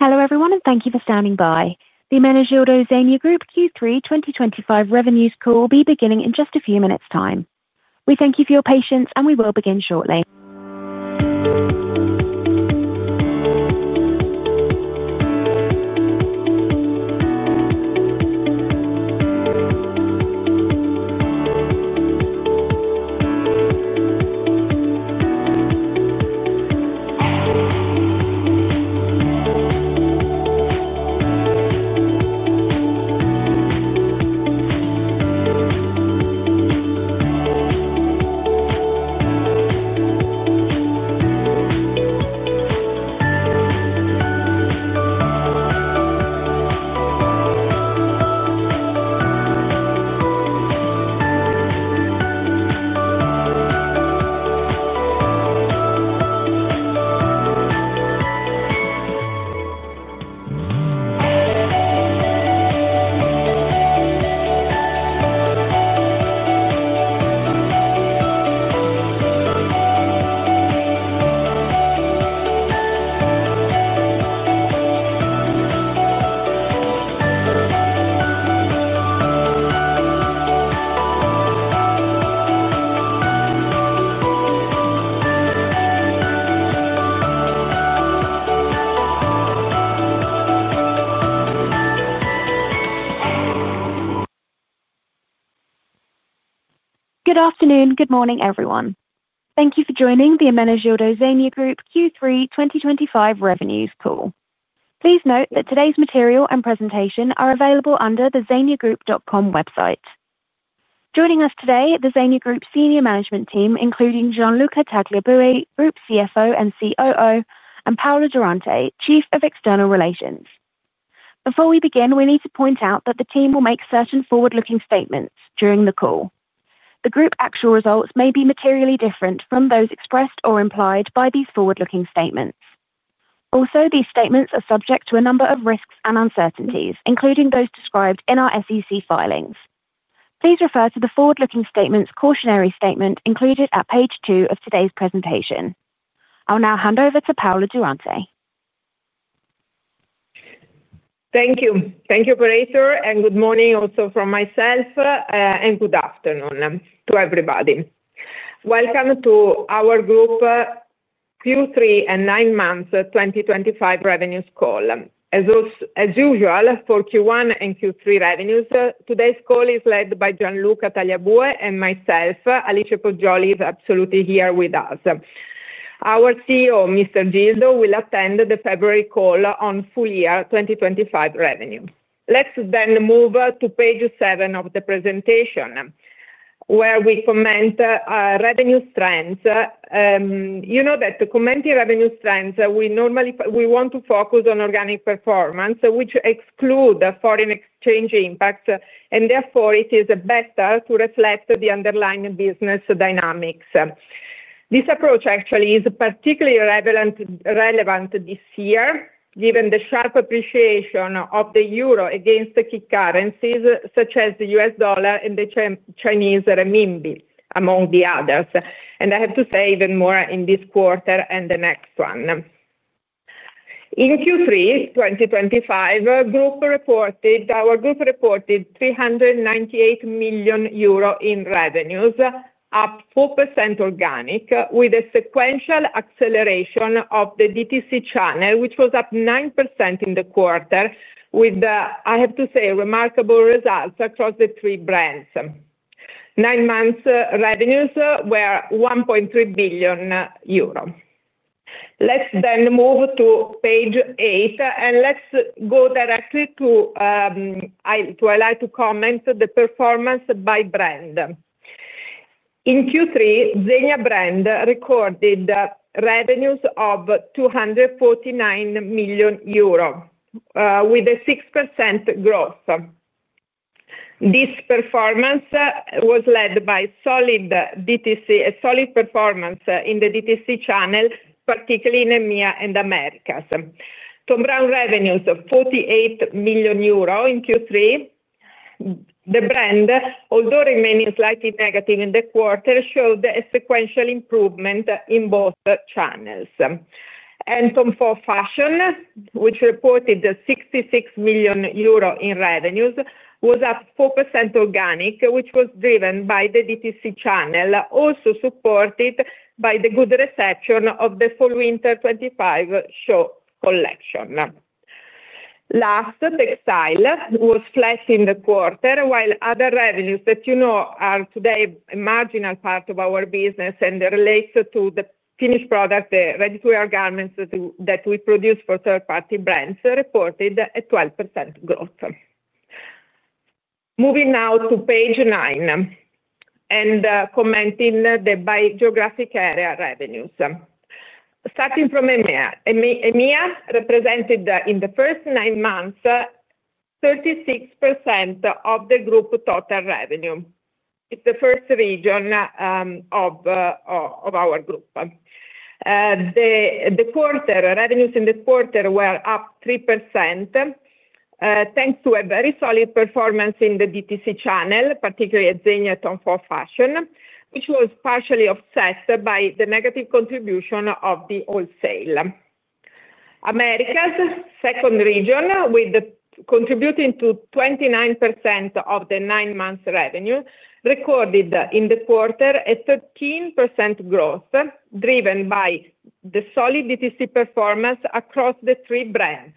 Hello everyone, and thank you for standing by. The Ermenegildo Zegna Group Q3 2025 revenue call will be beginning in just a few minutes' time. We thank you for your patience, and we will begin shortly. Good afternoon, good morning everyone. Thank you for joining the Ermenegildo Zegna Group Q3 2025 revenues call. Please note that today's material and presentation are available under the zegnagroup.com website. Joining us today are the Zegna Group Senior Management Team, including Gianluca Tagliabue, Group CFO and COO, and Paola Durante, Chief of External Relations. Before we begin, we need to point out that the team will make certain forward-looking statements during the call. The Group actual results may be materially different from those expressed or implied by these forward-looking statements. Also, these statements are subject to a number of risks and uncertainties, including those described in our SEC filings. Please refer to the forward-looking statement's cautionary statement included at page 2 of today's presentation. I'll now hand over to Paola Durante. Thank you. Thank you, Professor, and good morning also from myself, and good afternoon to everybody. Welcome to our group Q3 and nine months 2025 revenues call. As usual for Q1 and Q3 revenues, today's call is led by Gianluca Tagliabue and myself. Alice Poggioli is absolutely here with us. Our CEO, Mr. Gildo Zegna, will attend the February call on full-year 2025 revenue. Let's then move to page 7 of the presentation, where we comment on revenue strengths. You know that commenting on revenue strengths, we normally want to focus on organic performance, which excludes foreign exchange impacts, and therefore it is better to reflect the underlying business dynamics. This approach actually is particularly relevant this year, given the sharp appreciation of the euro against key currencies such as the U.S. dollar and the Chinese renminbi, among the others. I have to say even more in this quarter and the next one. In Q3 2025, our group reported 398 million euro in revenues, up 4% organic, with a sequential acceleration of the DTC channel, which was up 9% in the quarter, with, I have to say, remarkable results across the three brands. Nine months' revenues were 1.3 billion euro. Let's then move to page 8, and let's go directly to, I'd like to comment on the performance by brand. In Q3, Zegna brand recorded revenues of 249 million euro, with a 6% growth. This performance was led by solid performance in the DTC channel, particularly in EMEA and the Americas. Thom Browne revenues of 48 million euro in Q3. The brand, although remaining slightly negative in the quarter, showed a sequential improvement in both channels. Tom Ford Fashion, which reported 66 million euro in revenues, was up 4% organic, which was driven by the DTC channel, also supported by the good reception of the full-winter 2025 show collection. Last, Textile was flat in the quarter, while other revenues that you know are today a marginal part of our business and relate to the finished product, the ready-to-wear garments that we produce for third-party brands, reported a 12% growth. Moving now to page 9 and commenting on the geographic area revenues. Starting from EMEA, EMEA represented in the first nine months 36% of the group total revenue. It's the first region of our group. The revenues in the quarter were up 3%, thanks to a very solid performance in the DTC channel, particularly at Zegna and Tom Ford Fashion, which was partially offset by the negative contribution of the wholesale. Americas, second region, with contributing to 29% of the nine months' revenue, recorded in the quarter a 13% growth, driven by the solid DTC performance across the three brands,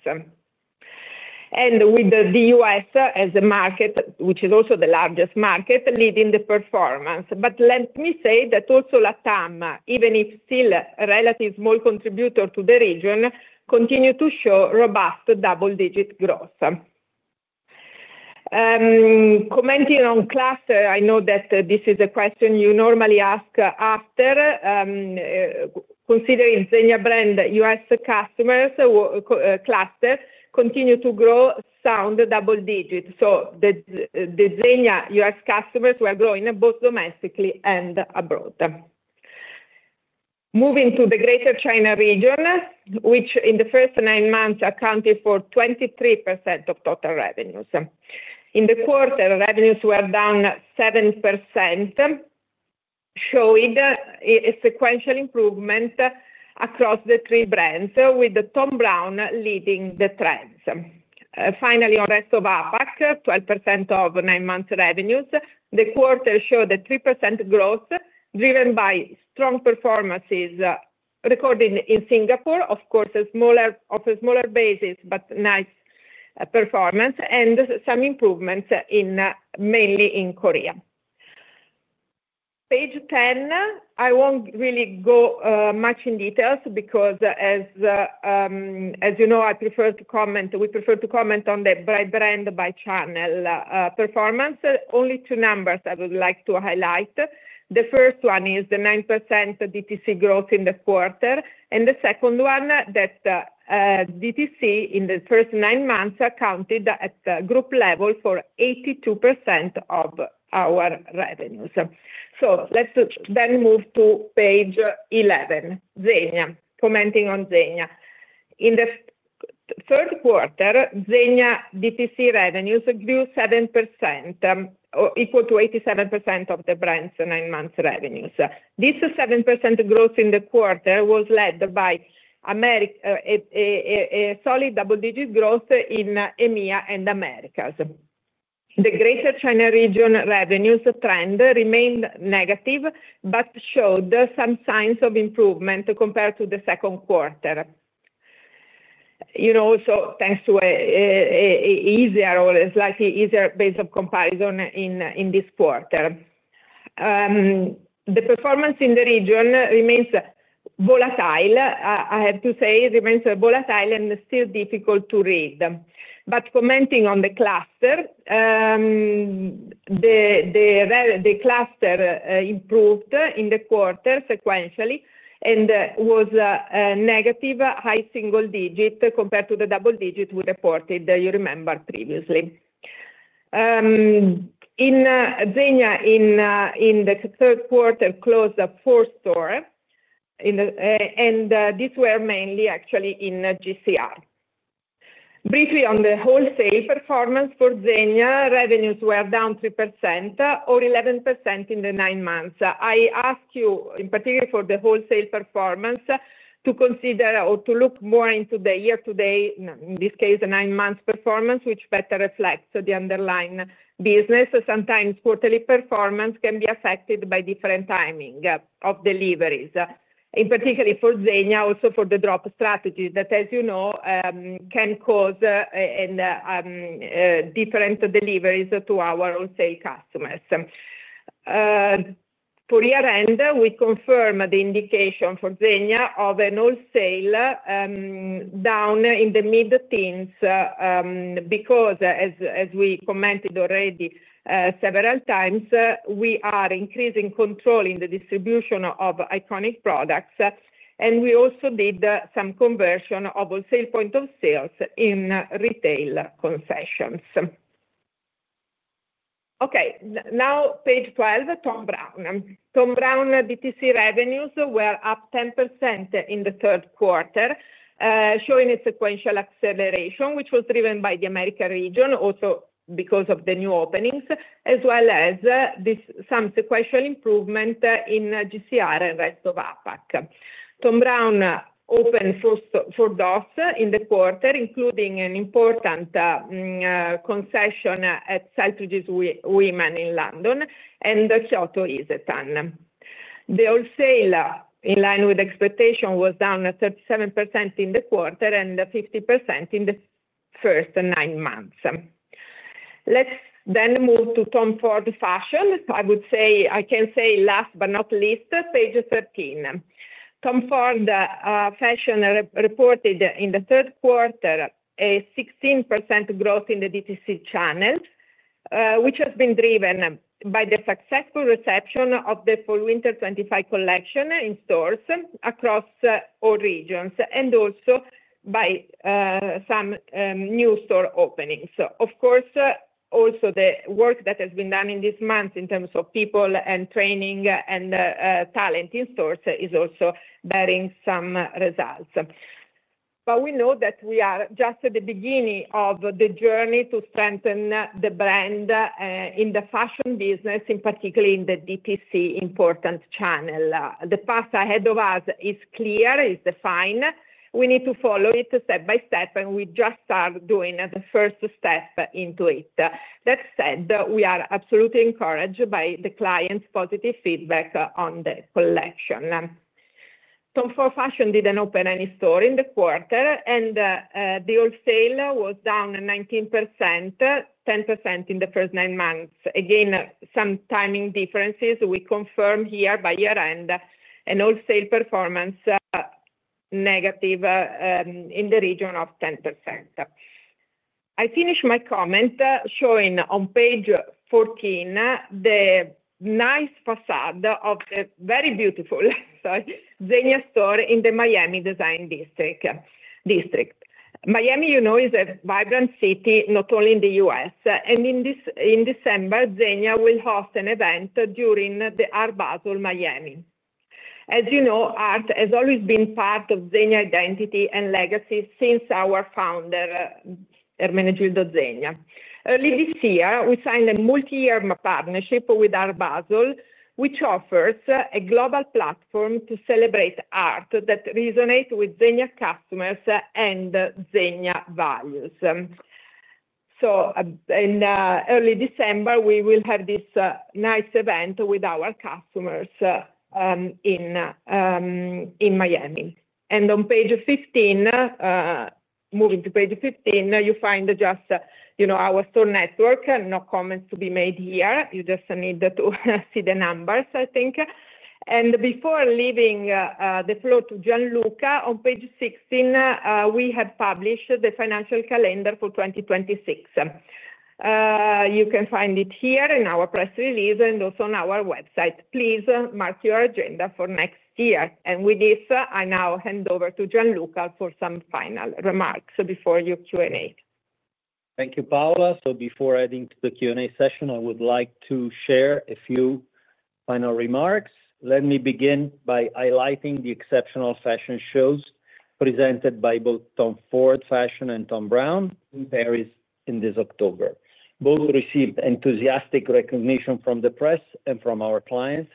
with the US as the market, which is also the largest market, leading the performance. Let me say that also LatAm, even if still a relatively small contributor to the region, continues to show robust double-digit growth. Commenting on cluster, I know that this is a question you normally ask after considering Zegna brand US customers' cluster continues to grow sound double-digit. The Zegna US customers were growing both domestically and abroad. Moving to the Greater China region, which in the first nine months accounted for 23% of total revenues. In the quarter, revenues were down 7%, showing a sequential improvement across the three brands, with Thom Browne leading the trends. Finally, on the rest of APAC, 12% of nine months' revenues, the quarter showed a 3% growth, driven by strong performances recorded in Singapore, of course, on a smaller basis, but nice performance and some improvements mainly in Korea. Page 10, I won't really go much in detail because, as you know, I prefer to comment, we prefer to comment on the brand by channel performance. Only two numbers I would like to highlight. The first one is the 9% DTC growth in the quarter, and the second one that DTC in the first nine months accounted at the group level for 82% of our revenues. Let's then move to page 11, Zegna. Commenting on Zegna. In the third quarter, Zegna DTC revenues grew 7%, or equal to 87% of the brand's nine months' revenues. This 7% growth in the quarter was led by solid double-digit growth in EMEA and Americas. The Greater China region revenues trend remained negative, but showed some signs of improvement compared to the second quarter, thanks to a slightly easier base of comparison in this quarter. The performance in the region remains volatile. I have to say it remains volatile and still difficult to read. Commenting on the cluster, the cluster improved in the quarter sequentially and was a negative, high single-digit compared to the double-digit we reported, you remember, previously. In Zegna, in the third quarter, closed up four stores, and these were mainly actually in Greater China region. Briefly, on the wholesale performance for Zegna, revenues were down 3%, or 11% in the nine months. I ask you, in particular for the wholesale performance, to consider or to look more into the year-to-date, in this case, the nine-month performance, which better reflects the underlying business. Sometimes quarterly performance can be affected by different timing of deliveries, in particular for Zegna, also for the drop strategy that, as you know, can cause different deliveries to our wholesale customers. For year-end, we confirm the indication for Zegna of a wholesale down in the mid-teens because, as we commented already several times, we are increasing control in the distribution of iconic products, and we also did some conversion of wholesale point of sales in retail concessions. Okay. Now, page 12, Thom Browne. Thom Browne DTC revenues were up 10% in the third quarter, showing a sequential acceleration, which was driven by the American region, also because of the new openings, as well as some sequential improvement in Greater China and rest of APAC. Thom Browne opened four DOS in the quarter, including an important concession at Selfridges Women in London and Kyoto Isetan. The wholesale, in line with expectation, was down 37% in the quarter and 50% in the first nine months. Let's then move to Tom Ford Fashion. I would say I can say last but not least, page 13. Tom Ford Fashion reported in the third quarter a 16% growth in the DTC channels, which has been driven by the successful reception of the fall-winter '25 collection in stores across all regions and also by some new store openings. Of course, also the work that has been done in these months in terms of people and training and talent in stores is also bearing some results. We know that we are just at the beginning of the journey to strengthen the brand in the fashion business, in particular in the DTC important channel. The path ahead of us is clear, is defined. We need to follow it step by step, and we just are doing the first step into it. That said, we are absolutely encouraged by the client's positive feedback on the collection. Tom Ford Fashion didn't open any store in the quarter, and the wholesale was down 19%, 10% in the first nine months. Again, some timing differences we confirm here by year-end, and wholesale performance negative in the region of 10%. I finish my comment showing on page 14 the nice facade of the very beautiful, sorry, Zegna store in the Miami Design District. Miami is a vibrant city not only in the US, and in December, Zegna will host an event during the Art Basel Miami. As you know, art has always been part of Zegna's identity and legacy since our founder, Ermenegildo Zegna. Early this year, we signed a multi-year partnership with Art Basel, which offers a global platform to celebrate art that resonates with Zegna customers and Zegna values. In early December, we will have this nice event with our customers in Miami. On page 15, moving to page 15, you find our store network. No comments to be made here. You just need to see the numbers, I think. Before leaving the floor to Gianluca, on page 16, we have published the financial calendar for 2026. You can find it here in our press release and also on our website. Please mark your agenda for next year. With this, I now hand over to Gianluca for some final remarks before your Q&A. Thank you, Paola. Before heading to the Q&A session, I would like to share a few final remarks. Let me begin by highlighting the exceptional fashion shows presented by both Tom Ford Fashion and Thom Browne in Paris in October. Both received enthusiastic recognition from the press and from our clients,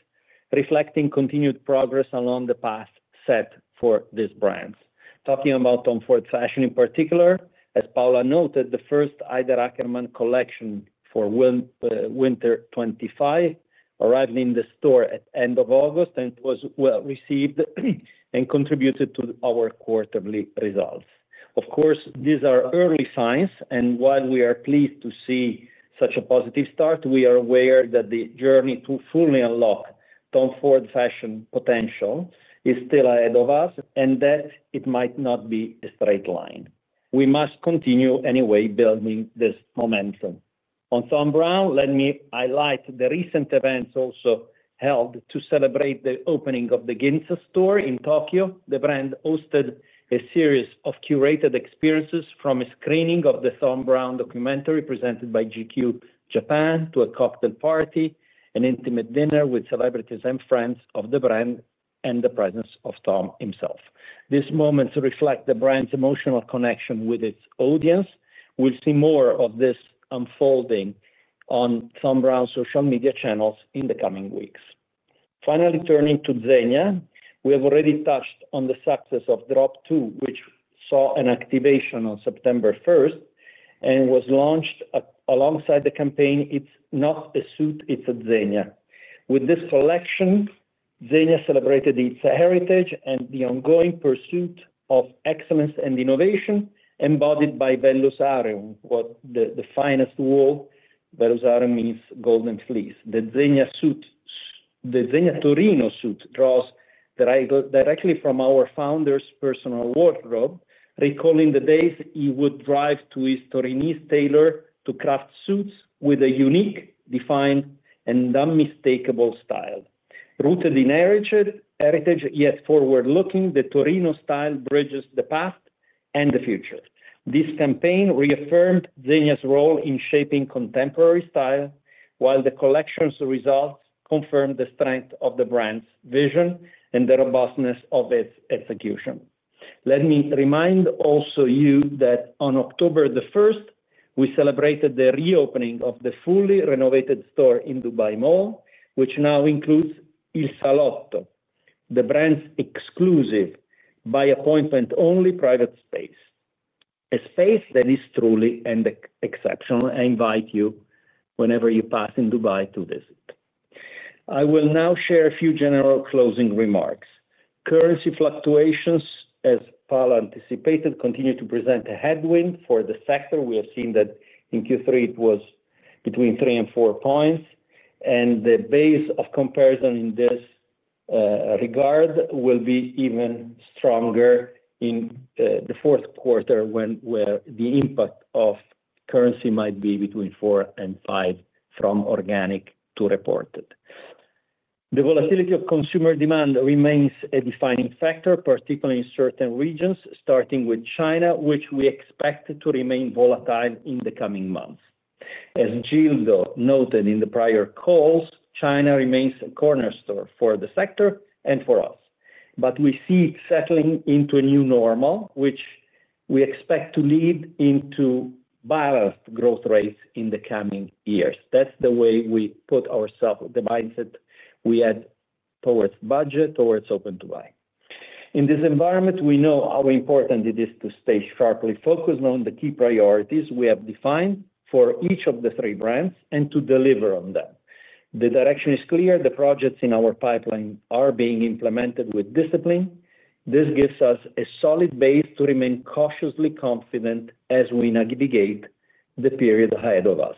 reflecting continued progress along the path set for these brands. Talking about Tom Ford Fashion in particular, as Paola noted, the first Haider Ackermann collection for Winter 2025 arrived in the store at the end of August and was well received and contributed to our quarterly results. Of course, these are early signs, and while we are pleased to see such a positive start, we are aware that the journey to fully unlock Tom Ford Fashion's potential is still ahead of us and that it might not be a straight line. We must continue anyway building this momentum. On Thom Browne, let me highlight the recent events also held to celebrate the opening of the Ginza store in Tokyo. The brand hosted a series of curated experiences from a screening of the Thom Browne documentary presented by GQ Japan to a cocktail party, an intimate dinner with celebrities and friends of the brand, and the presence of Thom himself. These moments reflect the brand's emotional connection with its audience. We will see more of this unfolding on Thom Browne's social media channels in the coming weeks. Finally, turning to Zegna, we have already touched on the success of Drop 2, which saw an activation on September 1 and was launched alongside the campaign, "It's Not a Suit, It's a Zegna." With this collection, Zegna celebrated its heritage and the ongoing pursuit of excellence and innovation embodied by Vellusarium, the finest wool. Vellusarium means golden fleece. The Zegna Torino suit draws directly from our founder's personal wardrobe, recalling the days he would drive to his Torinese tailor to craft suits with a unique, defined, and unmistakable style. Rooted in heritage yet forward-looking, the Torino style bridges the past and the future. This campaign reaffirmed Zegna's role in shaping contemporary style, while the collection's results confirmed the strength of the brand's vision and the robustness of its execution. Let me remind you also that on October 1, we celebrated the reopening of the fully renovated store in Dubai Mall, which now includes Il Salotto, the brand's exclusive, by-appointment-only, private space. A space that is truly exceptional. I invite you, whenever you pass in Dubai, to visit. I will now share a few general closing remarks. Currency fluctuations, as Paola anticipated, continue to present a headwind for the sector. We have seen that in Q3 it was between 3 and 4 points, and the base of comparison in this regard will be even stronger in the fourth quarter where the impact of currency might be between 4 and 5 from organic to reported. The volatility of consumer demand remains a defining factor, particularly in certain regions, starting with China, which we expect to remain volatile in the coming months. As Gildo noted in the prior calls, China remains a cornerstone for the sector and for us. We see it settling into a new normal, which we expect to lead into balanced growth rates in the coming years. That is the way we put ourselves in the mindset we had towards budget, towards Open Dubai. In this environment, we know how important it is to stay sharply focused on the key priorities we have defined for each of the three brands and to deliver on them. The direction is clear. The projects in our pipeline are being implemented with discipline. This gives us a solid base to remain cautiously confident as we navigate the period ahead of us.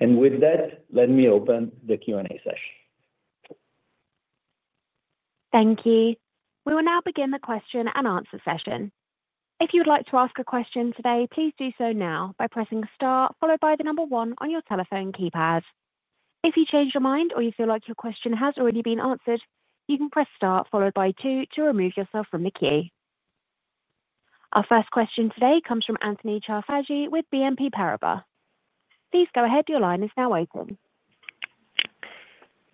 With that, let me open the Q&A session. Thank you. We will now begin the question-and-answer session. If you would like to ask a question today, please do so now by pressing the star followed by the number one on your telephone keypad. If you change your mind or you feel like your question has already been answered, you can press star followed by two to remove yourself from the queue. Our first question today comes from Anthony Charchafji with BNP Paribas. Please go ahead. Your line is now open.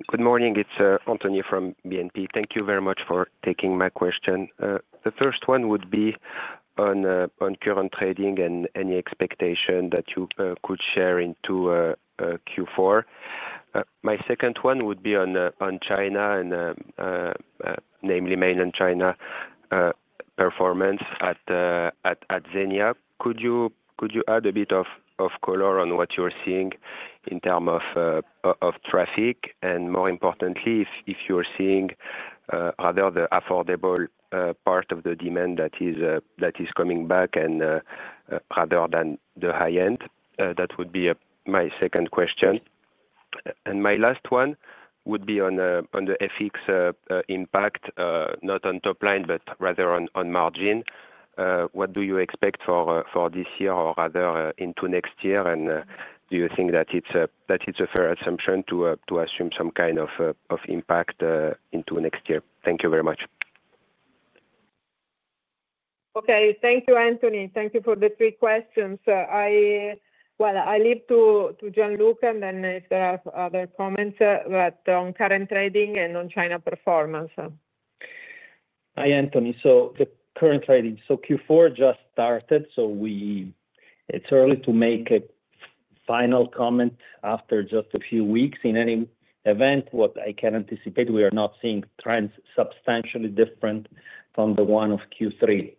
Good morning. It's Anthony from BNP Paribas. Thank you very much for taking my question. The first one would be on current trading and any expectation that you could share into Q4. My second one would be on China and namely mainland China performance at Zegna. Could you add a bit of color on what you're seeing in terms of traffic and, more importantly, if you're seeing rather the affordable part of the demand that is coming back rather than the high end? That would be my second question. My last one would be on the FX impact, not on top line, but rather on margin. What do you expect for this year or rather into next year, and do you think that it's a fair assumption to assume some kind of impact into next year? Thank you very much. Okay. Thank you, Anthony. Thank you for the three questions. I leave to Gianluca and then if there are other comments, but on current trading and on China performance. Hi, Anthony. The current trading, so Q4 just started, so it's early to make a final comment after just a few weeks. In any event, what I can anticipate, we are not seeing trends substantially different from the one of Q3.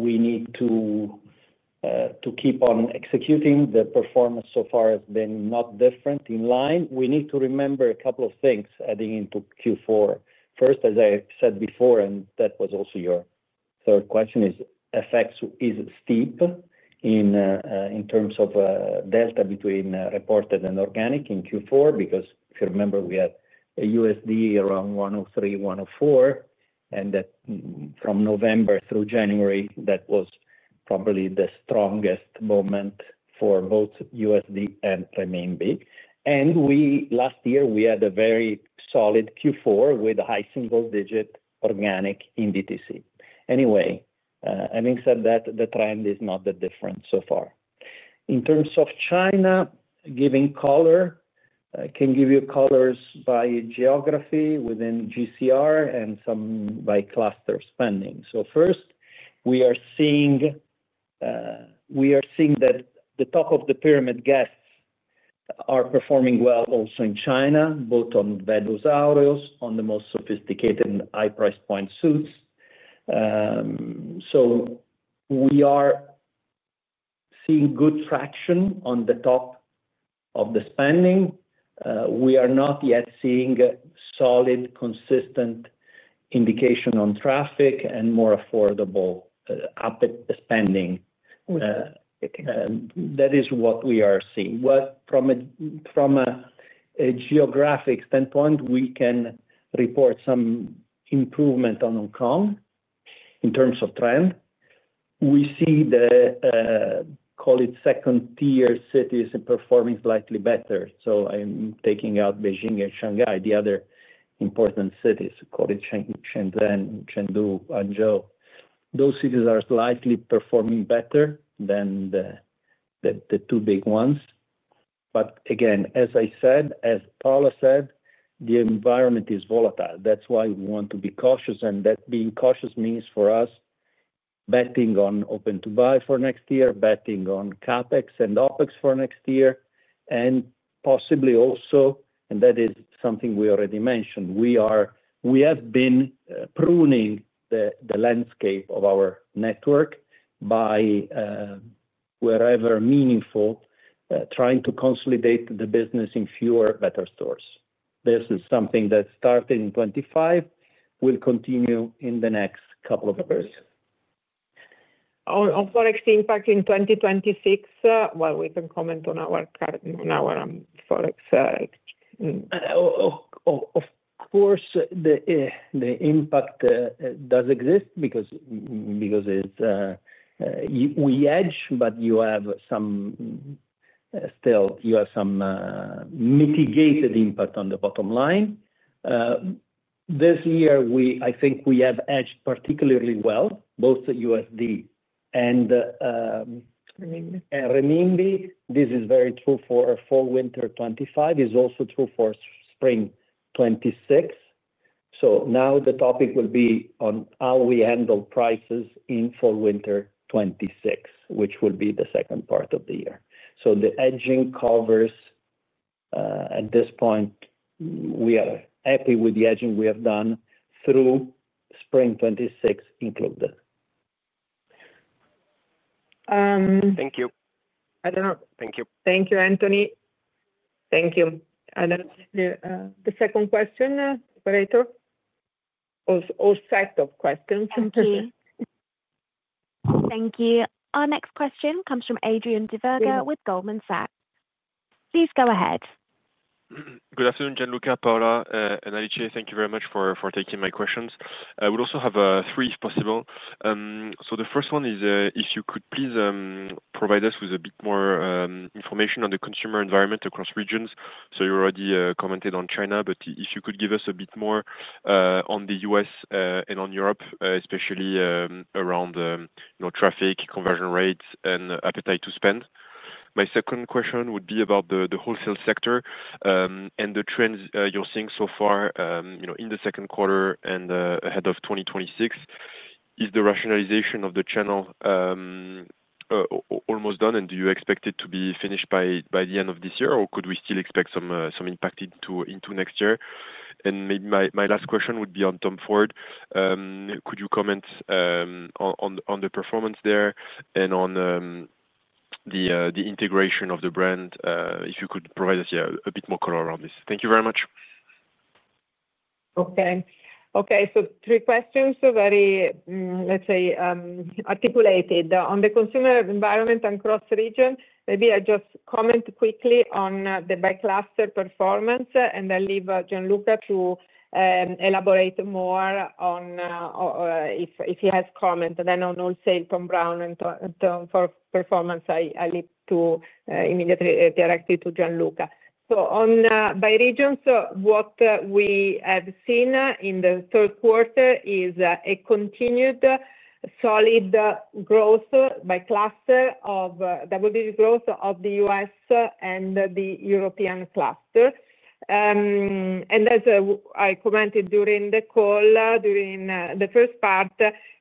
We need to keep on executing. The performance so far has been not different, in line. We need to remember a couple of things adding into Q4. First, as I said before, and that was also your third question, FX is steep in terms of delta between reported and organic in Q4 because if you remember, we had a USD around 103, 104, and that from November through January, that was probably the strongest moment for both USD and renminbi. Last year, we had a very solid Q4 with a high single-digit organic in DTC. Anyway, having said that, the trend is not that different so far. In terms of China, giving color, I can give you colors by geography within Greater China and some by cluster spending. First, we are seeing that the top of the pyramid guests are performing well also in China, both on Veddo's Aureos, on the most sophisticated high-price point suits. We are seeing good traction on the top of the spending. We are not yet seeing a solid, consistent indication on traffic and more affordable spending. That is what we are seeing. From a geographic standpoint, we can report some improvement on Hong Kong in terms of trend. We see the, call it, second-tier cities performing slightly better. I'm taking out Beijing and Shanghai, the other important cities, call it Shenzhen, Chengdu, Hangzhou. Those cities are slightly performing better than the two big ones. As I said, as Paola said, the environment is volatile. That's why we want to be cautious, and that being cautious means for us betting on Open Dubai for next year, betting on CapEx and OpEx for next year, and possibly also, and that is something we already mentioned, we have been pruning the landscape of our network by wherever meaningful, trying to consolidate the business in fewer, better stores. This is something that started in 2025, will continue in the next couple of years. On Forex impact in 2026, we can comment on our Forex. Of course, the impact does exist because we hedge, but you still have some mitigated impact on the bottom line. This year, I think we have hedged particularly well, both the USD and renminbi. This is very true for full-winter 2025, and is also true for spring 2026. The topic will be on how we handle prices in full-winter 2026, which will be the second part of the year. The hedging covers at this point, and we are happy with the hedging we have done through spring 2026 included. Thank you. I don't know. Thank you. Thank you, Anthony. Thank you. I don't know. The second question, operator, or set of questions. Thank you. Our next question comes from Adrien Duverger with Goldman Sachs Group. Please go ahead. Good afternoon, Gianluca, Paola, and Alice. Thank you very much for taking my questions. We also have three, if possible. The first one is if you could please provide us with a bit more information on the consumer environment across regions. You already commented on China, but if you could give us a bit more on the U.S. and on Europe, especially around traffic, conversion rates, and appetite to spend. My second question would be about the wholesale sector and the trends you're seeing so far in the second quarter and ahead of 2026. Is the rationalization of the channel almost done, and do you expect it to be finished by the end of this year, or could we still expect some impact into next year? Maybe my last question would be on Tom Ford. Could you comment on the performance there and on the integration of the brand? If you could provide us a bit more color around this. Thank you very much. Okay. Okay. Three questions, so very, let's say, articulated. On the consumer environment across regions, maybe I just comment quickly on the by-cluster performance, and I'll leave Gianluca to elaborate more if he has comments. On wholesale, Thom Browne, and Tom Ford Fashion performance, I'll leave immediately directly to Gianluca. On by regions, what we have seen in the third quarter is a continued solid growth by cluster of double-digit growth of the U.S. and the European cluster. As I commented during the call, during the first part,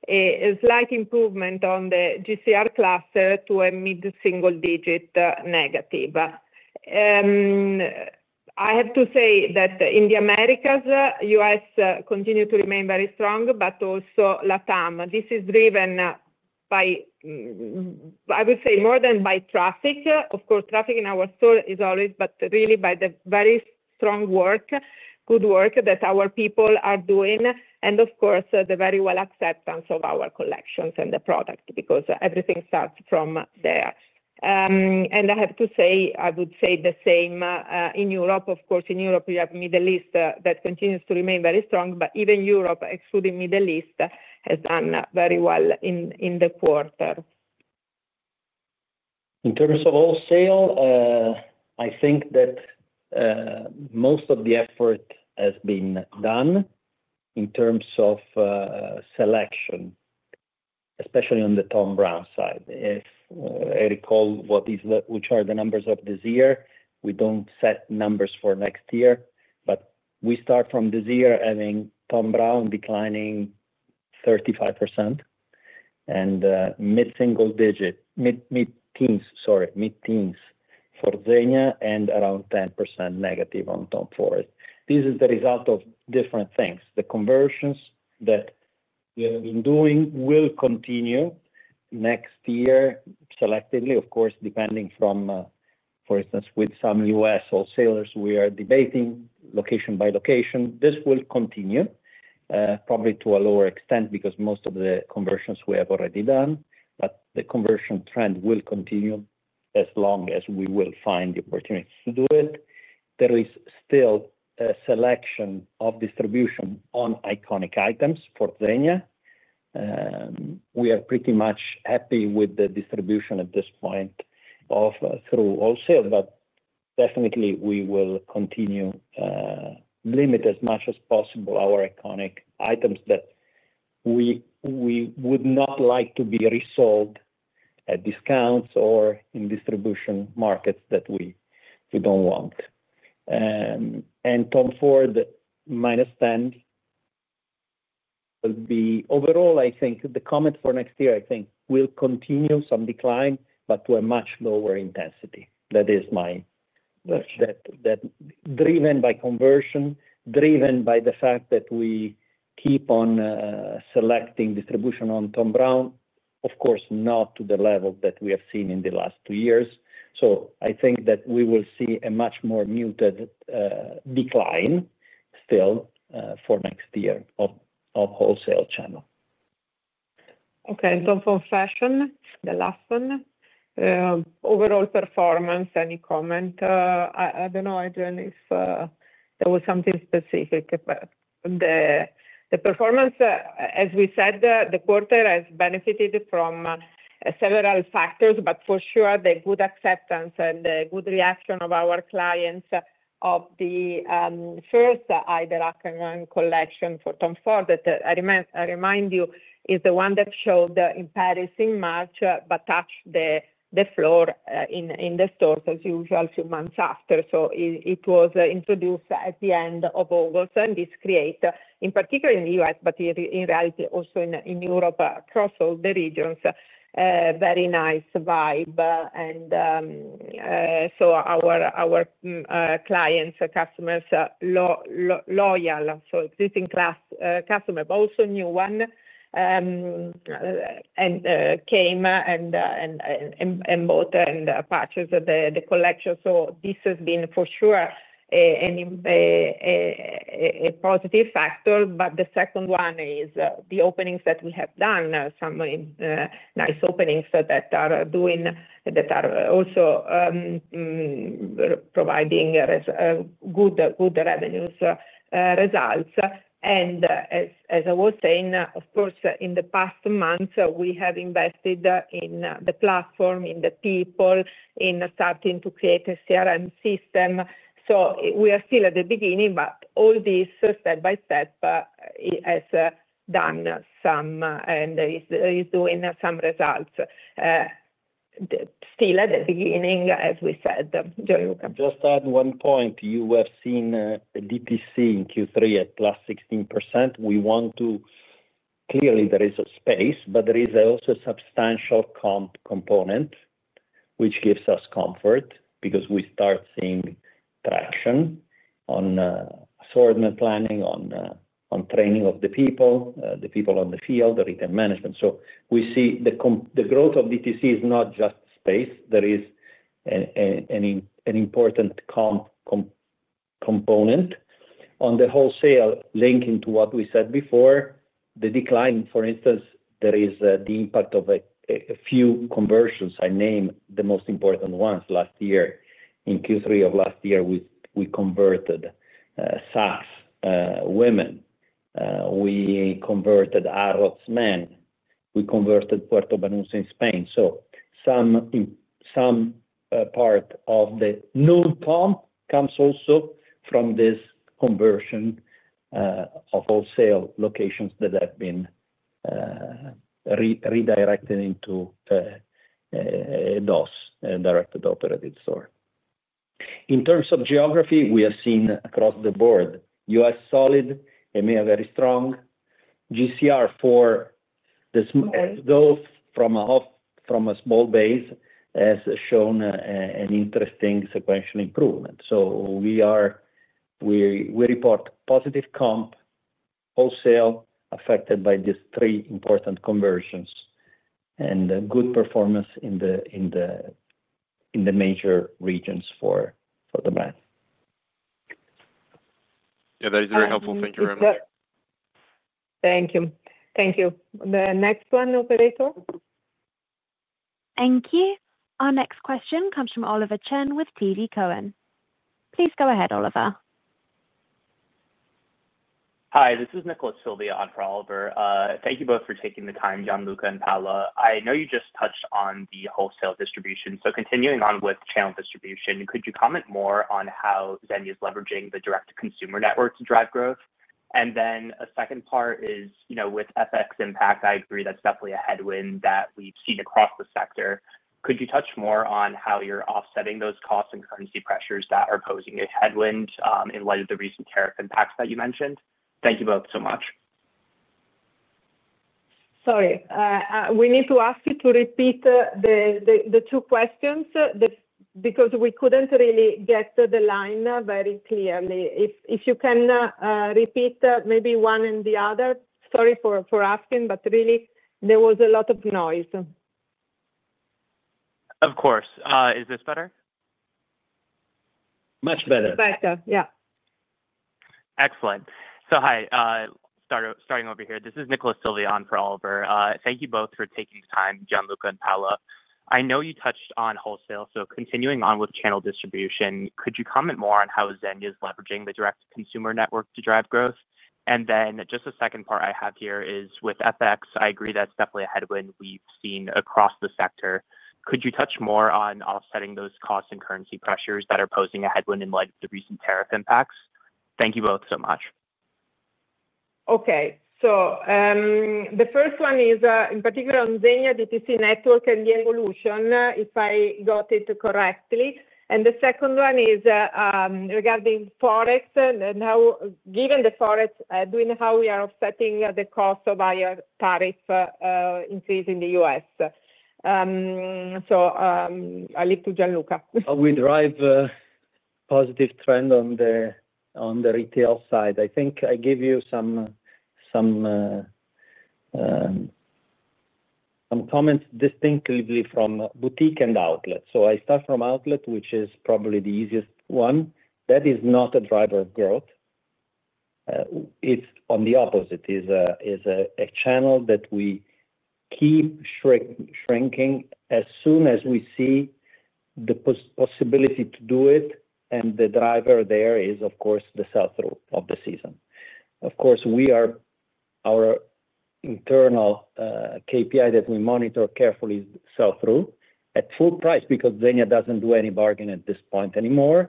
a slight improvement on the Greater China Region cluster to a mid-single-digit negative. I have to say that in the Americas, U.S. continues to remain very strong, but also LatAm. This is driven by, I would say, more than by traffic. Of course, traffic in our store is always, but really by the very strong work, good work that our people are doing, and of course, the very well-acceptance of our collections and the product because everything starts from there. I have to say, I would say the same in Europe. Of course, in Europe, you have the Middle East that continues to remain very strong, but even Europe, excluding the Middle East, has done very well in the quarter. In terms of wholesale, I think that most of the effort has been done in terms of selection, especially on the Thom Browne side. If I recall which are the numbers of this year, we don't set numbers for next year, but we start from this year having Thom Browne declining 35% and mid-teens for Zegna and around 10%- on Tom Ford. This is the result of different things. The conversions that we have been doing will continue next year selectively, of course, depending, for instance, with some U.S. wholesalers we are debating location by location. This will continue, probably to a lower extent because most of the conversions we have already done, but the conversion trend will continue as long as we will find the opportunity to do it. There is still a selection of distribution on iconic items for Zegna. We are pretty much happy with the distribution at this point through wholesale, but definitely, we will continue to limit as much as possible our iconic items that we would not like to be resold at discounts or in distribution markets that we don't want. Tom Ford -10% will be, overall, I think the comment for next year, I think, will continue some decline, but to a much lower intensity. That is mainly driven by conversion, driven by the fact that we keep on selecting distribution on Thom Browne, of course, not to the level that we have seen in the last two years. I think that we will see a much more muted decline still for next year of wholesale channel. Okay. Tom Ford Fashion, the last one. Overall performance, any comment? I don't know, Adrien, if there was something specific. The performance, as we said, the quarter has benefited from several factors, but for sure, the good acceptance and the good reaction of our clients of the first Haider Ackermann collection for Tom Ford, that I remind you, is the one that showed in Paris in March, but touched the floor in the stores as usual a few months after. It was introduced at the end of August, and this creates, in particular in the U.S., but in reality, also in Europe, across all the regions, a very nice vibe. Our clients, customers, loyal, so existing customer, but also new one, came and bought and purchased the collection. This has been for sure a positive factor. The second one is the openings that we have done, some nice openings that are doing, that are also providing good revenue results. As I was saying, in the past month, we have invested in the platform, in the people, in starting to create a CRM system. We are still at the beginning, but all this step by step has done some and is doing some results. Still at the beginning, as we said. Just to add one point, you have seen the DTC in Q3 at +16%. We want to clearly, there is a space, but there is also a substantial component which gives us comfort because we start seeing traction on assortment planning, on training of the people, the people on the field, the retail management. We see the growth of DTC is not just space. There is an important component on the wholesale linking to what we said before. The decline, for instance, there is the impact of a few conversions. I name the most important ones. Last year, in Q3 of last year, we converted Saks women. We converted Harry Rosen men. We converted Puerto Banús in Spain. Some part of the new comp comes also from this conversion of wholesale locations that have been redirected into DOS, Directly Operated Store. In terms of geography, we have seen across the board, US solid, EMEA very strong, Greater China for those from a small base has shown an interesting sequential improvement. We report positive comp wholesale affected by these three important conversions and good performance in the major regions for the brand. Yeah, that is very helpful. Thank you very much. Thank you. Thank you. The next one, operator. Thank you. Our next question comes from Oliver Chen with TD Cowen. Please go ahead, Oliver. Hi, this is Nicholas Sylvia on for Oliver. Thank you both for taking the time, Gianluca and Paola. I know you just touched on the wholesale distribution. Continuing on with channel distribution, could you comment more on how Zegna is leveraging the direct-to-consumer network to drive growth? The second part is, with FX impact, I agree that's definitely a headwind that we've seen across the sector. Could you touch more on how you're offsetting those costs and currency pressures that are posing a headwind in light of the recent tariff impacts that you mentioned? Thank you both so much. Sorry, we need to ask you to repeat the two questions because we couldn't really get the line very clearly. If you can repeat maybe one and the other. Sorry for asking, but really, there was a lot of noise. Of course. Is this better? Much better. Better. Yeah. Excellent. Hi, starting over here. This is Nicholas Sylvia on for Oliver. Thank you both for taking the time, Gianluca and Paola. I know you touched on wholesale. Continuing on with channel distribution, could you comment more on how Zegna is leveraging the direct-to-consumer network to drive growth? The second part I have here is with FX. I agree that's definitely a headwind we've seen across the sector. Could you touch more on offsetting those costs and currency pressures that are posing a headwind in light of the recent tariff impacts? Thank you both so much. Okay. The first one is, in particular, on Zegna DTC network and the evolution, if I got it correctly. The second one is regarding Forex and how, given the Forex, how we are offsetting the cost of higher tariff increase in the U.S. I'll leave to Gianluca. We drive a positive trend on the retail side. I think I give you some comments distinctly from boutique and outlet. I start from outlet, which is probably the easiest one. That is not a driver of growth. It's on the opposite. It's a channel that we keep shrinking as soon as we see the possibility to do it. The driver there is, of course, the sell-through of the season. Our internal KPI that we monitor carefully is sell-through at full price because Zegna doesn't do any bargain at this point anymore.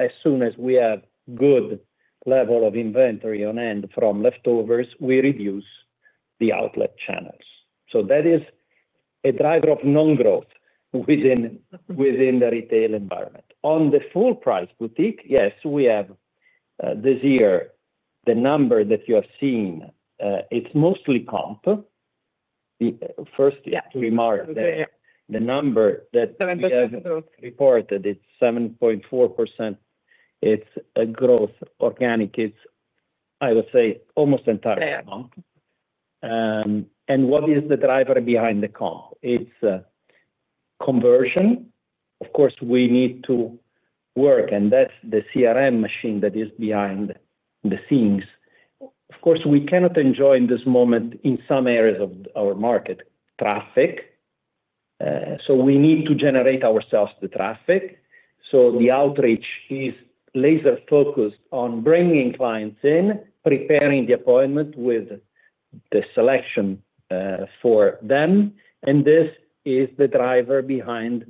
As soon as we have a good level of inventory on end from leftovers, we reduce the outlet channels. That is a driver of non-growth within the retail environment. On the full price boutique, yes, we have this year, the number that you have seen, it's mostly comp. First, to remark that the number that you reported, it's 7.4%. It's a growth organic. It's, I would say, almost entirely comp. What is the driver behind the comp? It's conversion. We need to work, and that's the CRM machine that is behind the scenes. We cannot enjoy in this moment in some areas of our market traffic. We need to generate ourselves the traffic. The outreach is laser-focused on bringing clients in, preparing the appointment with the selection for them. This is the driver behind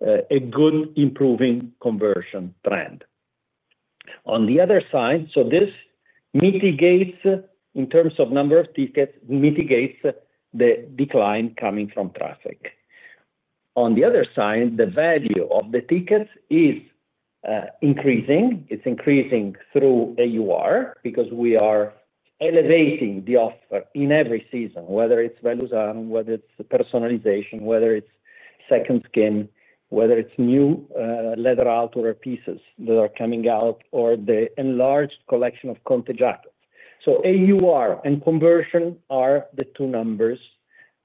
a good improving conversion trend. This mitigates, in terms of number of tickets, the decline coming from traffic. On the other side, the value of the tickets is increasing. It's increasing through AUR because we are elevating the offer in every season, whether it's Vellusarium, whether it's personalization, whether it's Second Skin, whether it's new leather outdoor pieces that are coming out, or the enlarged collection of Conte jackets. AUR and conversion are the two numbers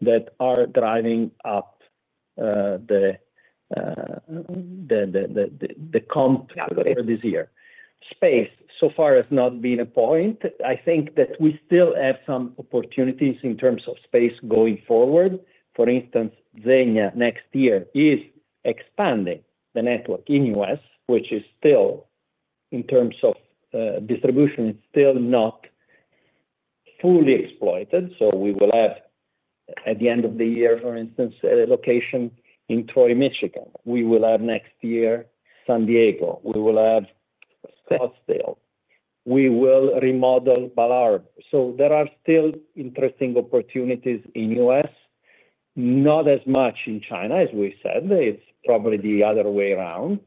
that are driving up the comp for this year. Space so far has not been a point. I think that we still have some opportunities in terms of space going forward. For instance, Zegna next year is expanding the network in the US, which is still, in terms of distribution, not fully exploited. We will have, at the end of the year, for instance, a location in Troy, Michigan. We will have next year San Diego. We will have Scottsdale. We will remodel Ballard. There are still interesting opportunities in the US, not as much in China, as we said. It's probably the other way around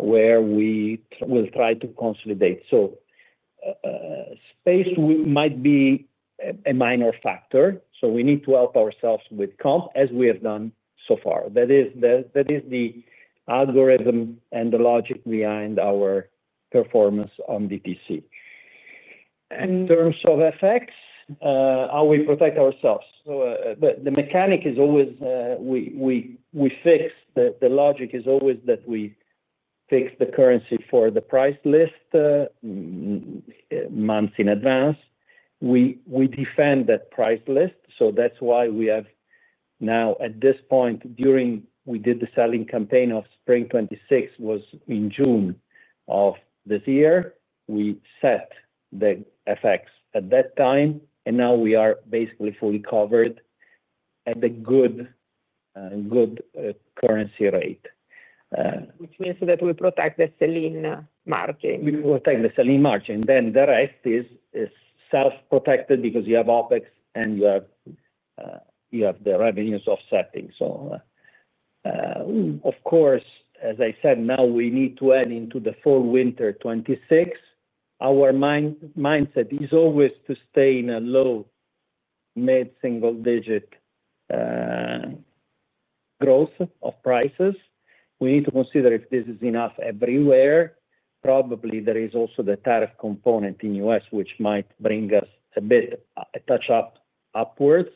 where we will try to consolidate. Space might be a minor factor. We need to help ourselves with comp, as we have done so far. That is the algorithm and the logic behind our performance on DTC. In terms of effects, how we protect ourselves, the mechanic is always we fix the logic, is always that we fix the currency for the price list months in advance. We defend that price list. That's why we have now, at this point, during the selling campaign of spring 2026, which was in June of this year, we set the FX at that time, and now we are basically fully covered at a good currency rate. Which means that we protect the selling margin. We protect the selling margin. The rest is self-protected because you have OpEx and you have the revenues offsetting. As I said, now we need to add into the full-winter 2026, our mindset is always to stay in a low mid-single-digit growth of prices. We need to consider if this is enough everywhere. Probably there is also the tariff component in the U.S., which might bring us a bit a touch-up upwards.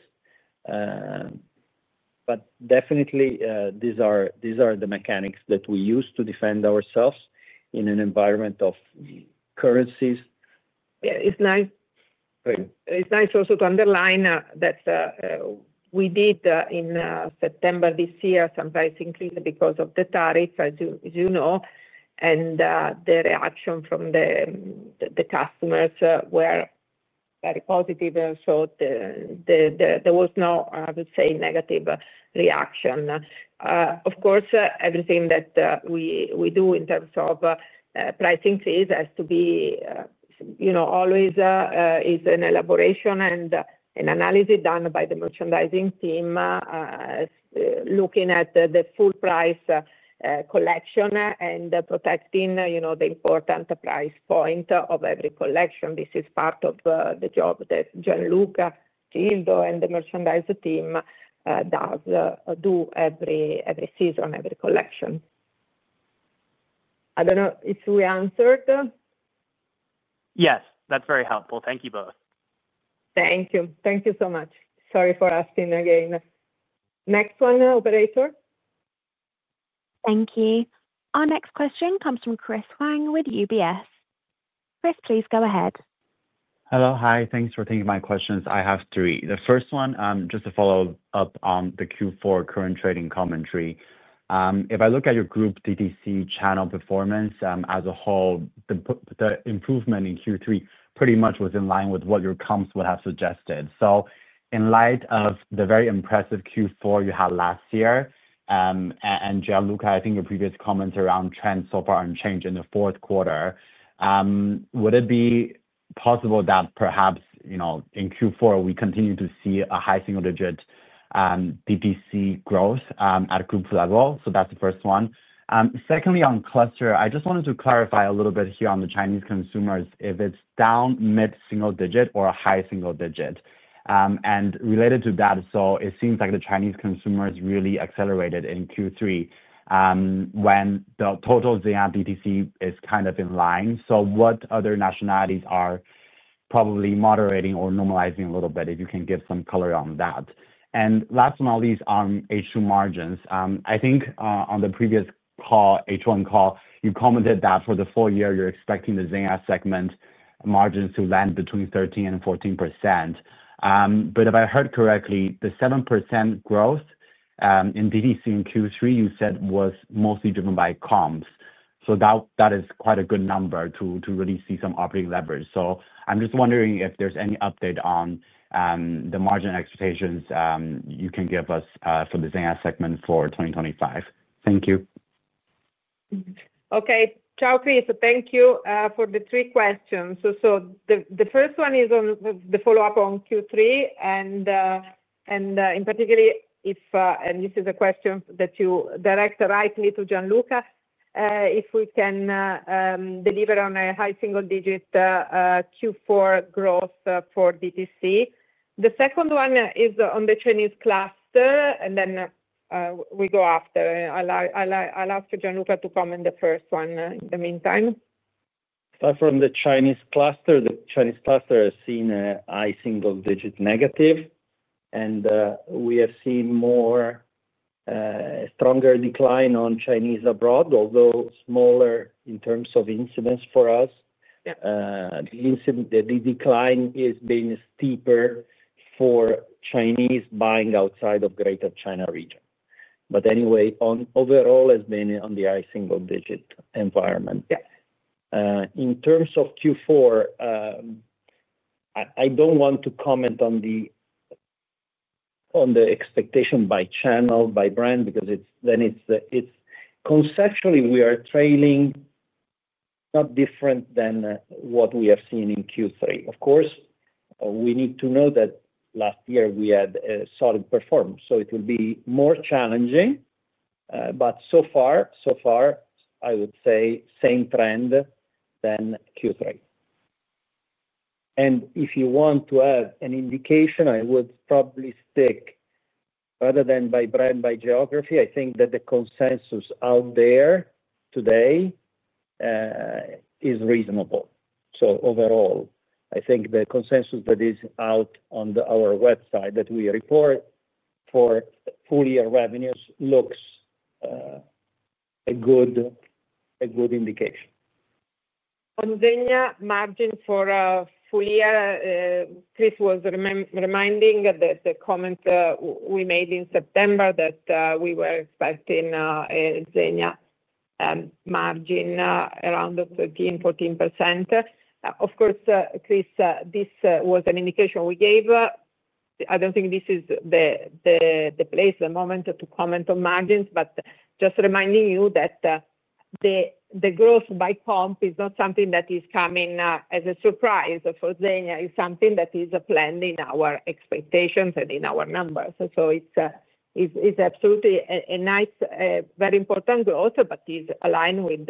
Definitely, these are the mechanics that we use to defend ourselves in an environment of currencies. Yeah, it's nice. It's nice also to underline that we did in September this year some price increase because of the tariff, as you know. The reaction from the customers was very positive. There was no, I would say, negative reaction. Of course, everything that we do in terms of price increase has to be, you know, always an elaboration and an analysis done by the merchandising team, looking at the full-price collection and protecting, you know, the important price point of every collection. This is part of the job that Gianluca Tagliabue, Gildo Zegna, and the merchandise team do every season, every collection. I don't know if we answered. Yes, that's very helpful. Thank you both. Thank you. Thank you so much. Sorry for asking again. Next one, operator. Thank you. Our next question comes from Chris Huang with UBS. Chris, please go ahead. Hello. Hi. Thanks for taking my questions. I have three. The first one, just to follow up on the Q4 current trading commentary. If I look at your group DTC channel performance as a whole, the improvement in Q3 pretty much was in line with what your comps would have suggested. In light of the very impressive Q4 you had last year, and Gianluca, I think your previous comments around trends so far unchanged in the fourth quarter, would it be possible that perhaps, you know, in Q4, we continue to see a high single-digit DTC growth at a group level? That's the first one. Secondly, on cluster, I just wanted to clarify a little bit here on the Chinese consumers if it's down mid-single digit or a high single digit. Related to that, it seems like the Chinese consumers really accelerated in Q3 when the total Zegna DTC is kind of in line. What other nationalities are probably moderating or normalizing a little bit if you can give some color on that? Last but not least, on H2 margins, I think on the previous call, H1 call, you commented that for the full year, you're expecting the Zegna segment margins to land between 13% and 14%. If I heard correctly, the 7% growth in DTC in Q3, you said, was mostly driven by comps. That is quite a good number to really see some operating levers. I'm just wondering if there's any update on the margin expectations you can give us for the Zegna segment for 2025. Thank you. Okay, thank you for the three questions. The first one is on the follow-up on Q3, and in particular, if this is a question that you direct rightly to Gianluca, if we can deliver on a high single-digit Q4 growth for DTC. The second one is on the Chinese cluster, and then we go after. I'll ask Gianluca to comment the first one in the meantime. If I'm from the Chinese cluster, the Chinese cluster has seen a high single-digit negative, and we have seen a stronger decline on Chinese abroad, although smaller in terms of incidents for us. The decline has been steeper for Chinese buying outside of the Greater China region. Anyway, overall, it's been on the high single-digit environment. In terms of Q4, I don't want to comment on the expectation by channel, by brand, because it's then it's conceptually, we are trailing not different than what we have seen in Q3. Of course, we need to know that last year we had a solid performance. It will be more challenging. So far, I would say same trend than Q3. If you want to have an indication, I would probably stick, rather than by brand, by geography. I think that the consensus out there today is reasonable. Overall, I think the consensus that is out on our website that we report for full-year revenues looks a good indication. On Zegna margin for a full year, Chris was reminding that the comment we made in September that we were expecting a Zegna margin around the 13, 14%. Of course, Chris, this was an indication we gave. I don't think this is the place, the moment to comment on margins, but just reminding you that the growth by comp is not something that is coming as a surprise for Zegna. It's something that is planned in our expectations and in our numbers. It's absolutely a nice, very important growth, but it's aligned with,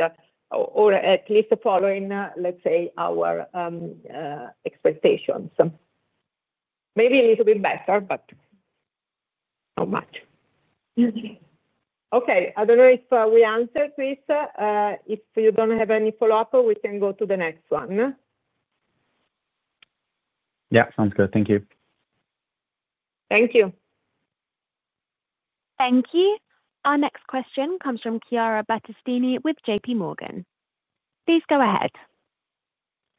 or at least following, let's say, our expectations. Maybe a little bit better, but not much. I don't know if we answered, Chris. If you don't have any follow-up, we can go to the next one. Yeah, sounds good. Thank you. Thank you. Thank you. Our next question comes from Chiara Battistini with J.P. Morgan. Please go ahead.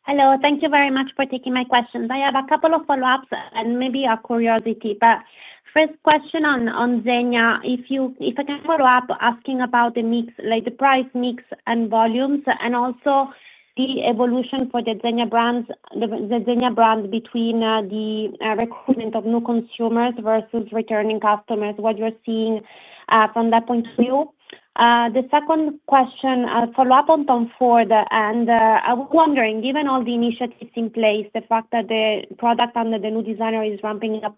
Hello. Thank you very much for taking my questions. I have a couple of follow-ups and maybe a curiosity. First question on Zegna. If I can follow up asking about the mix, like the price/mix and volumes, and also the evolution for the Zegna brand between the recruitment of new consumers versus returning customers, what you're seeing from that point of view. The second question, a follow-up on Tom Ford. I was wondering, given all the initiatives in place, the fact that the product under the new designer is ramping up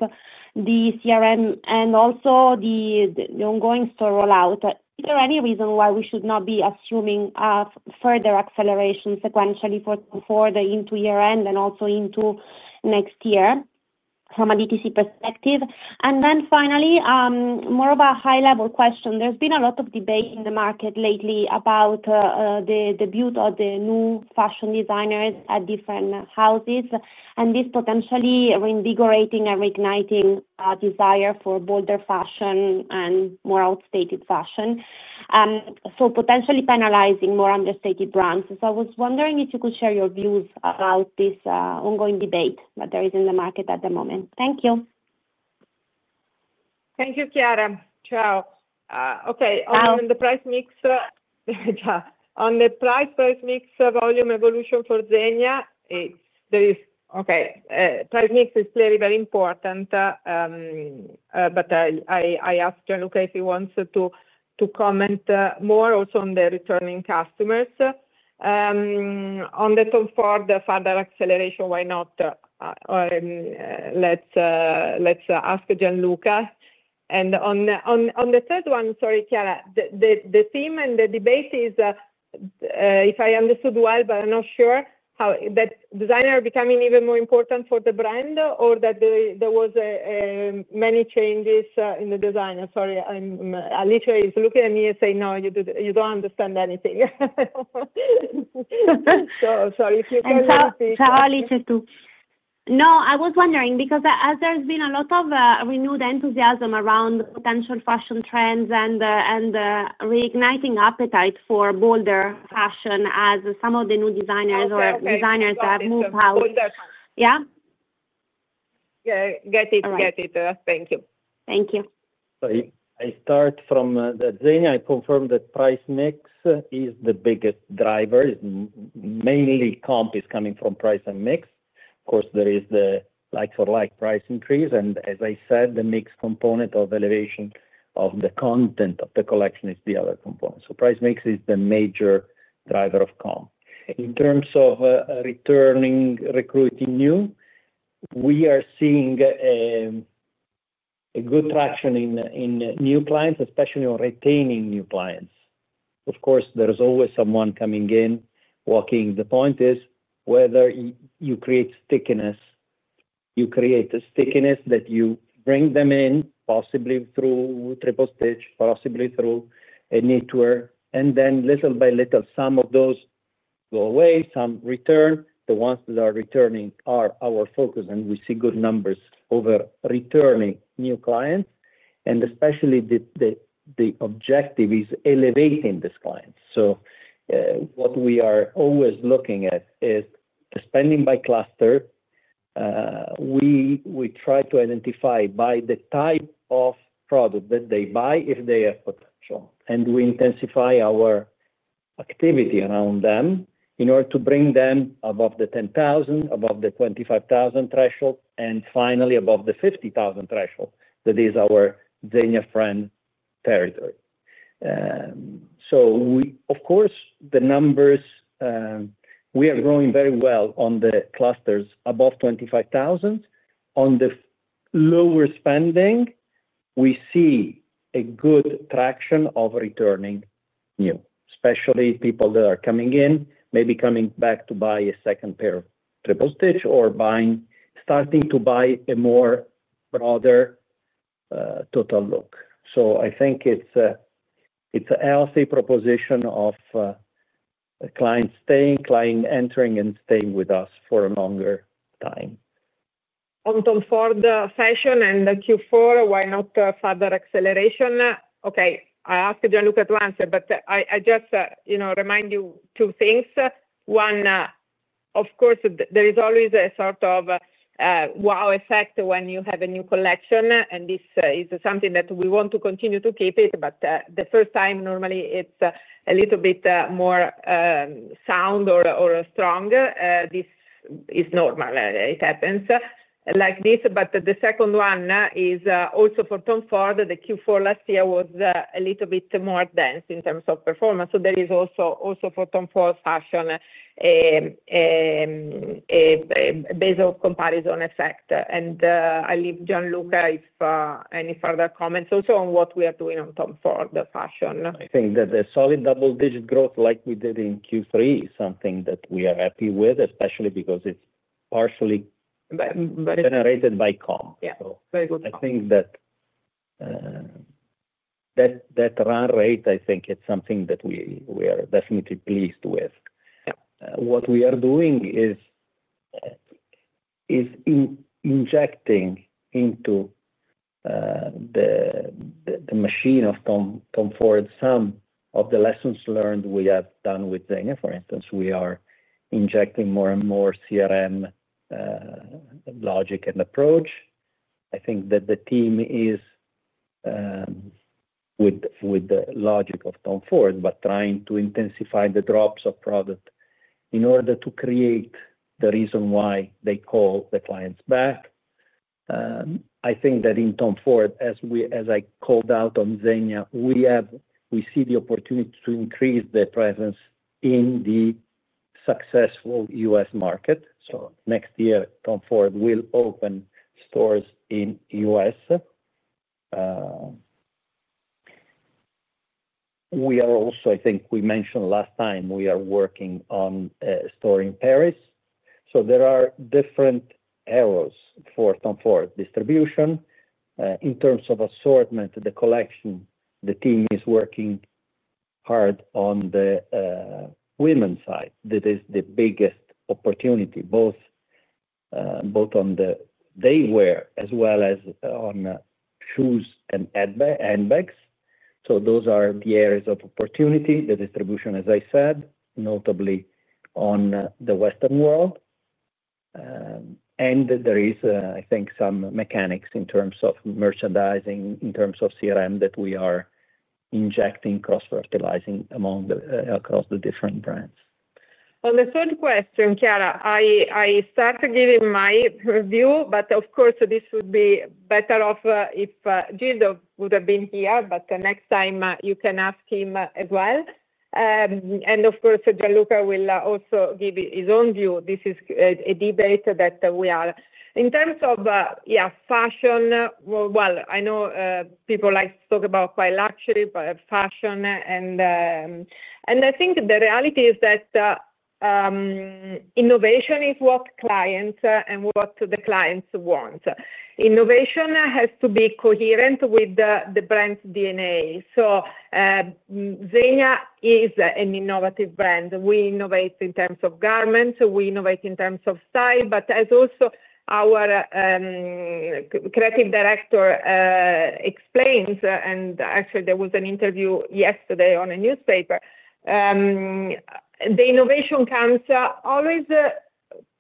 the CRM and also the ongoing store rollout, is there any reason why we should not be assuming further acceleration sequentially for Tom Ford into year-end and also into next year from a DTC perspective? Finally, more of a high-level question. There's been a lot of debate in the market lately about the debut of the new fashion designers at different houses, and this potentially reinvigorating and reigniting a desire for bolder fashion and more outdated fashion. Potentially penalizing more understated brands. I was wondering if you could share your views about this ongoing debate that there is in the market at the moment. Thank you. Thank you, Chiara. Ciao. Okay. On the price mix, on the price mix volume evolution for Zegna. Price mix is clearly very important. I ask Gianluca if he wants to comment more also on the returning customers. On the Tom Ford, the further acceleration, why not? Let's ask Gianluca. On the third one, sorry, Chiara, the theme and the debate is, if I understood well, but I'm not sure, how that designer becoming even more important for the brand or that there were many changes in the design. Sorry. Alice is looking at me and saying, "No, you don't understand anything." Sorry. Ciao, Alice Poggioli, too. I was wondering because as there's been a lot of renewed enthusiasm around potential fashion trends and reigniting appetite for bolder fashion as some of the new designers or designers that have moved out. Thank you. Thank you. I start from the Zegna. I confirm that price/mix is the biggest driver. Mainly, comp is coming from price and mix. Of course, there is the like-for-like price increase. As I said, the mix component of elevation of the content of the collection is the other component. Price/mix is the major driver of comp. In terms of returning, recruiting new, we are seeing good traction in new clients, especially on retaining new clients. Of course, there's always someone coming in, walking. The point is whether you create stickiness. You create stickiness that you bring them in, possibly through Triple Stitch, possibly through knitwear, and then little by little, some of those go away, some return. The ones that are returning are our focus, and we see good numbers over returning new clients. Especially, the objective is elevating these clients. What we are always looking at is the spending by cluster. We try to identify by the type of product that they buy if they have potential. We intensify our activity around them in order to bring them above the $10,000, above the $25,000 threshold, and finally, above the $50,000 threshold that is our Zegna friend territory. Of course, the numbers, we are growing very well on the clusters above $25,000. On the lower spending, we see good traction of returning new, especially people that are coming in, maybe coming back to buy a second pair of Triple Stitch or starting to buy a more broad total look. I think it's a healthy proposition of clients staying, clients entering, and staying with us for a longer time. On Tom Ford Fashion and the Q4, why not further acceleration? Okay. I asked Gianluca to answer, but I just remind you two things. One, of course, there is always a sort of wow effect when you have a new collection, and this is something that we want to continue to keep it. The first time, normally, it's a little bit more sound or strong. This is normal. It happens like this. The second one is also for Tom Ford. The Q4 last year was a little bit more dense in terms of performance. There is also for Tom Ford Fashion a base of comparison effect. I leave Gianluca if any further comments also on what we are doing on Tom Ford Fashion. I think that the solid double-digit growth, like we did in Q3, is something that we are happy with, especially because it's partially generated by comp. Yeah, very good point. I think that run rate, I think it's something that we are definitely pleased with. What we are doing is injecting into the machine of Tom Ford Fashion some of the lessons learned we have done with Zegna. For instance, we are injecting more and more CRM logic and approach. I think that the team is with the logic of Tom Ford Fashion, but trying to intensify the drops of product in order to create the reason why they call the clients back. I think that in Tom Ford Fashion, as I called out on Zegna, we see the opportunity to increase the presence in the successful U.S. market. Next year, Tom Ford Fashion will open stores in the U.S. We are also, I think we mentioned last time, working on a store in Paris. There are different arrows for Tom Ford Fashion distribution. In terms of assortment, the collection, the team is working hard on the women's side. That is the biggest opportunity, both on the daywear as well as on shoes and handbags. Those are the areas of opportunity. The distribution, as I said, notably on the Western world. There is, I think, some mechanics in terms of merchandising, in terms of CRM that we are injecting, cross-fertilizing across the different brands. On the third question, Chiara, I started giving my view, but of course, this would be better off if Gildo would have been here. Next time, you can ask him as well. Of course, Gianluca will also give his own view. This is a debate that we are. In terms of fashion, I know people like to talk about quite luxury fashion. I think the reality is that innovation is what clients and what the clients want. Innovation has to be coherent with the brand's DNA. Zegna is an innovative brand. We innovate in terms of garments. We innovate in terms of style. As also our Creative Director explains, and actually, there was an interview yesterday in a newspaper, the innovation comes always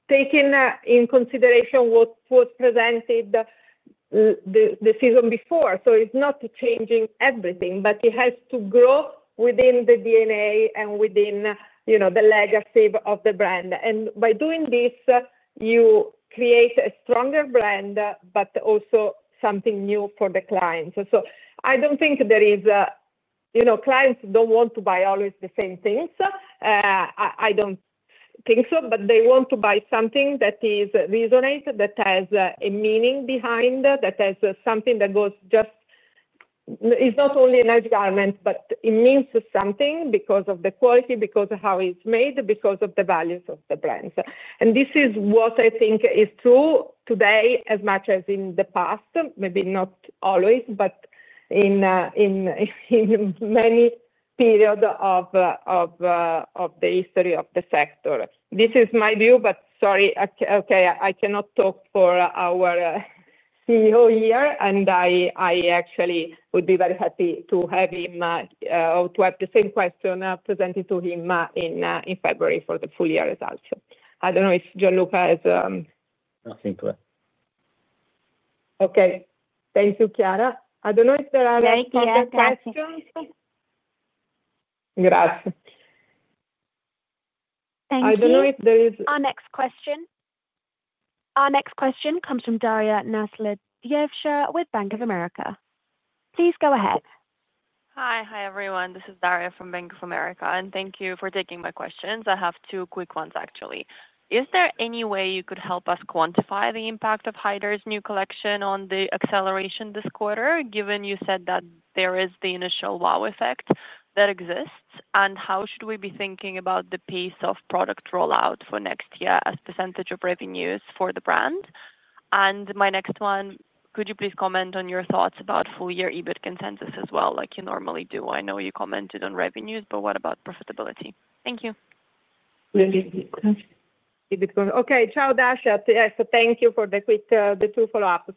taking in consideration what was presented the season before. It is not changing everything, but it has to grow within the DNA and within the legacy of the brand. By doing this, you create a stronger brand, but also something new for the clients. I don't think there is, you know, clients don't want to buy always the same things. I don't think so, but they want to buy something that is resonant, that has a meaning behind, that has something that goes just, it's not only a nice garment, but it means something because of the quality, because of how it's made, because of the values of the brands. This is what I think is true today as much as in the past, maybe not always, but in many periods of the history of the sector. This is my view, but sorry, I cannot talk for our CEO here, and I actually would be very happy to have him or to have the same question presented to him in February for the full-year results. I don't know if Gianluca has. Nothing to add. Okay. Thank you, Chiara. I don't know if there are any other questions. Thank you. I don't know if there is. Our next question comes from Daria Nasledysheva with Bank of America. Please go ahead. Hi, everyone. This is Daria from Bank of America, and thank you for taking my questions. I have two quick ones, actually. Is there any way you could help us quantify the impact of Haider's new collection on the acceleration this quarter, given you said that there is the initial wow effect that exists? How should we be thinking about the pace of product rollout for next year as % of revenues for the brand? My next one, could you please comment on your thoughts about full-year EBIT consensus as well, like you normally do? I know you commented on revenues, but what about profitability? Thank you. Okay. Ciao, Dasha. Thank you for the quick, the two follow-ups.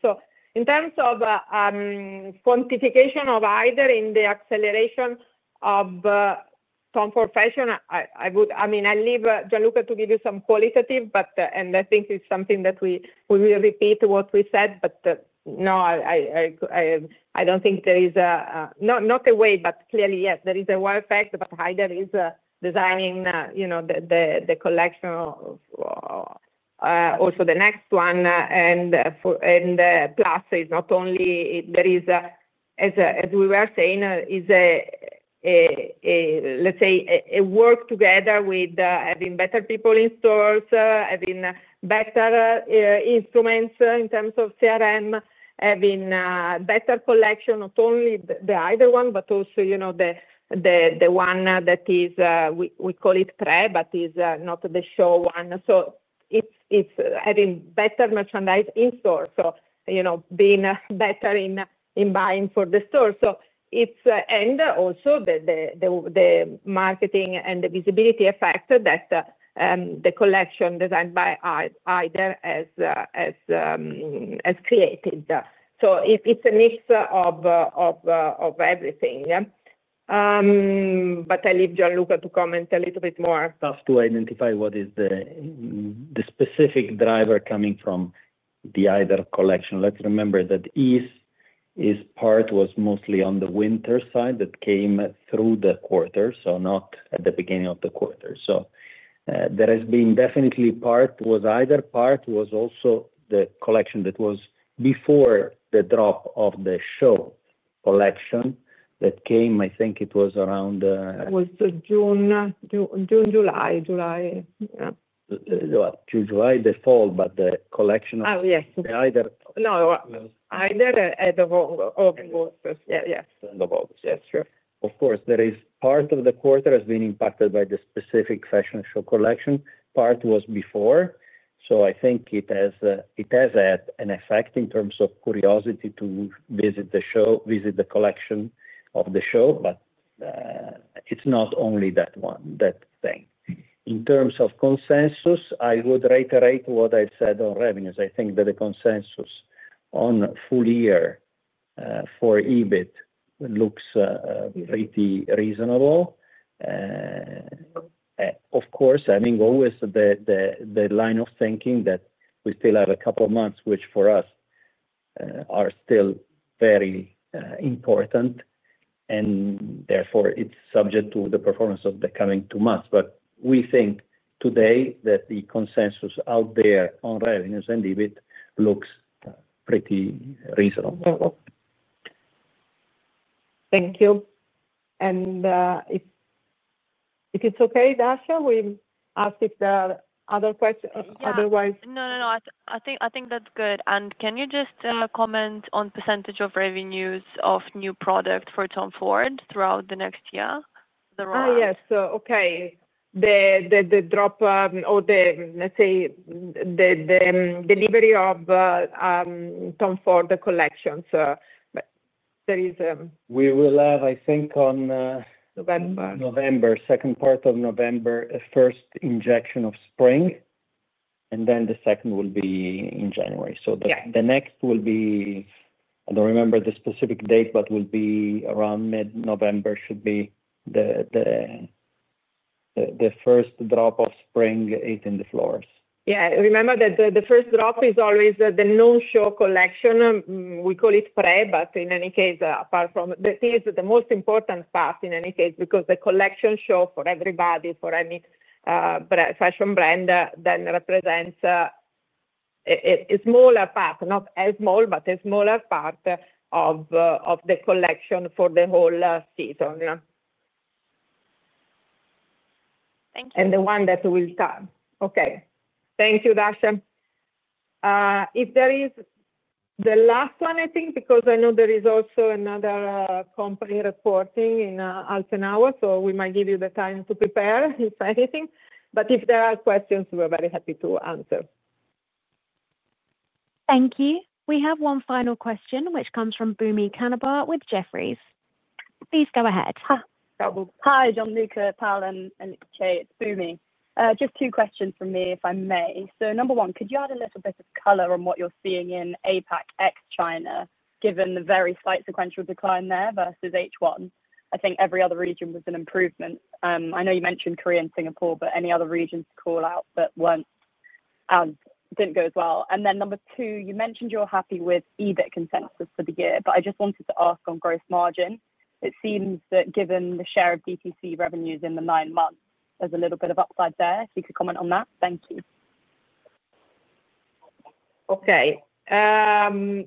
In terms of quantification of Haider in the acceleration of Tom Ford Fashion, I would leave Gianluca to give you some qualitative, and I think it's something that we will repeat what we said. I don't think there is not a way, but clearly, yes, there is a wow effect. Haider is designing the collection of also the next one. Plus, it's not only there is, as we were saying, a work together with having better people in stores, having better instruments in terms of CRM, having a better collection, not only the Haider one, but also the one that is, we call it pre, but is not the show one. It's having better merchandise in store, being better in buying for the store, and also the marketing and the visibility effect that the collection designed by Haider has created. It's a mix of everything. I leave Gianluca to comment a little bit more. To identify what is the specific driver coming from Haider collection. Let's remember that Ease's part was mostly on the winter side that came through the quarter, not at the beginning of the quarter. There has definitely been part. Haider part was also the collection that was before the drop of the show collection that came. I think it was around. That was June, July, July. June, July, the fall, the collection of. Oh, yes. Either. No, either end of August. Of course. Yes, end of August. Yes, sure. Of course, part of the quarter has been impacted by the specific fashion show collection. Part was before. I think it has had an effect in terms of curiosity to visit the show, visit the collection of the show, but it's not only that one, that thing. In terms of consensus, I would reiterate what I said on revenues. I think that the consensus on full year for EBIT looks pretty reasonable. Of course, having always the line of thinking that we still have a couple of months, which for us are still very important. Therefore, it's subject to the performance of the coming two months. We think today that the consensus out there on revenues and EBIT looks pretty reasonable. Thank you. If it's okay, Daria, we'll ask if there are other questions. Otherwise. I think that's good. Can you just comment on the percentage of revenues of new product for Tom Ford throughout the next year? Yes. Okay. The drop or the, let's say, the delivery of Tom Ford, the collections. There is. We will have, I think, on. November. November, second part of November, a first injection of spring, and then the second will be in January. The next will be, I don't remember the specific date, but will be around mid-November, should be the first drop of spring hitting the floors. Yeah. Remember that the first drop is always the no-show collection. We call it pre, but in any case, apart from that, it is the most important part because the collection show for everybody, for any fashion brand, represents a smaller part, not as small, but a smaller part of the collection for the whole season. Thank you. Thank you, Daria. If there is the last one, I think, because I know there is also another company reporting in half an hour, we might give you the time to prepare if anything. If there are questions, we're very happy to answer. Thank you. We have one final question, which comes from Bhumi Kanabar with Jefferies. Please go ahead. Hi, Gianluca, Paola, and Boomi. Just two questions from me, if I may. Number one, could you add a little bit of color on what you're seeing in APAC ex-China, given the very slight sequential decline there versus H1? I think every other region was an improvement. I know you mentioned Korea and Singapore, but any other regions to call out that didn't go as well? Number two, you mentioned you're happy with EBIT consensus for the year, but I just wanted to ask on gross margin. It seems that given the share of DTC revenue. the nine months. There's a little bit of upside there, if you could comment on that. Thank you. Okay.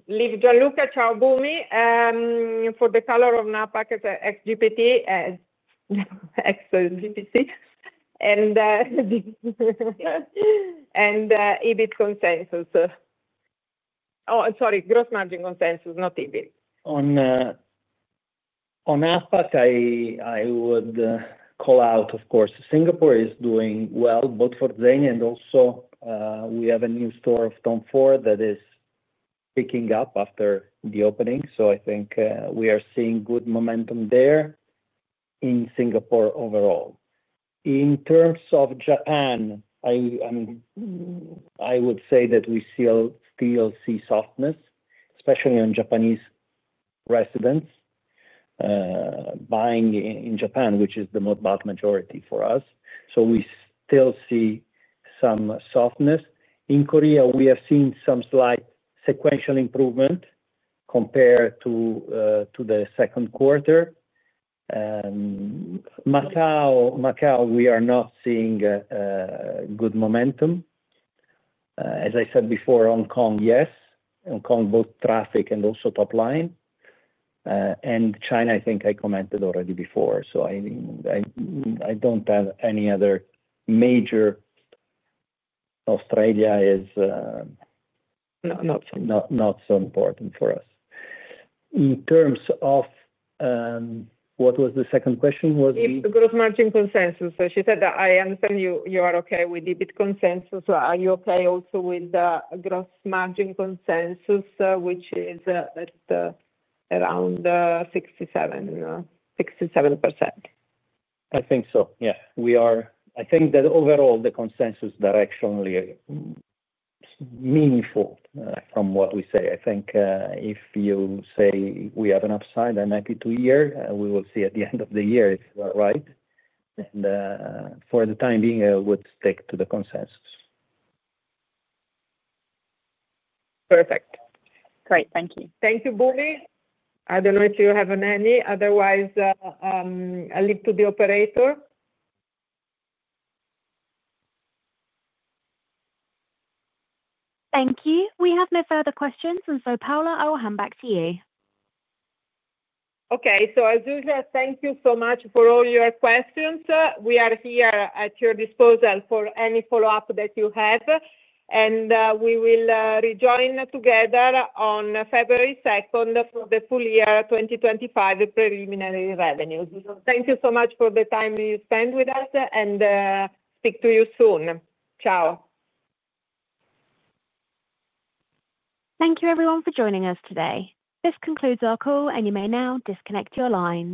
Leave Gianluca Tagliabue for the color of APAC as expected, as expected, and gross margin consensus, not EBIT. On APAC, I would call out, of course, Singapore is doing well, both for Zegna and also, we have a new store of Tom Ford that is picking up after the opening. I think we are seeing good momentum there in Singapore overall. In terms of Japan, I would say that we still see softness, especially on Japanese residents buying in Japan, which is the majority for us. We still see some softness. In Korea, we have seen some slight sequential improvement compared to the second quarter. Macau, we are not seeing good momentum. As I said before, Hong Kong, yes. Hong Kong, both traffic and also top line. China, I think I commented already before. I don't have any other major. Australia is, Not so. Not so important for us. In terms of what was the second question? Was the? The gross margin consensus. She said that I understand you, you are okay with EBIT consensus. Are you okay also with the gross margin consensus, which is at around 67%, 67%? I think so. Yeah. I think that overall, the consensus directionally is meaningful from what we say. If you say we have an upside, I'm happy to hear. We will see at the end of the year if you are right. For the time being, I would stick to the consensus. Perfect. Great. Thank you. Thank you, Bhumi. I don't know if you have any. Otherwise, I'll leave to the operator. Thank you. We have no further questions. Paola, I will hand back to you. Okay. Thank you so much for all your questions. We are here at your disposal for any follow-up that you have. We will rejoin together on February 2, 2025, for the full year 2025 preliminary revenues. Thank you so much for the time you spent with us, and speak to you soon. Ciao. Thank you, everyone, for joining us today. This concludes our call, and you may now disconnect your line.